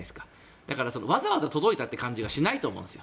だから、わざわざ届いたって感じがしないと思うんですよ。